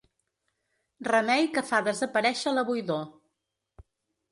Remei que fa desaparèixer la buidor.